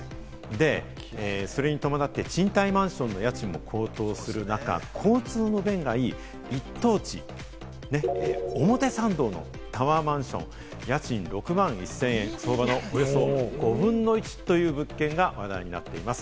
それに伴って、賃貸マンションの家賃も高騰する中、交通の便がいい一等地、表参道のタワーマンションの家賃６万２０００円、相場のおよそ５分の１という物件が話題になっています。